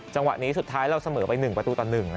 จังหวะนี้สุดท้ายเราเสมอไปหนึ่งประตูต่อหนึ่ง